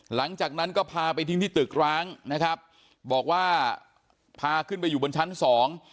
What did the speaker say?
หลังจากนั้นก็พาไปทิ้งที่ตึกร้างนะครับบอกว่าพาขึ้นไปอยู่บนชั้นสอง